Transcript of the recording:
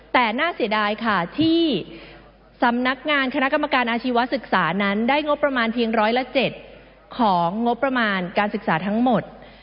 แต่น่าเสียดายค่ะที่สำนักงานคณะกรรมการอาชีวศึกษานั้นได้งบประมาณเพียงร้อยละ๗ของงบประมาณการศึกษาทั้งหมด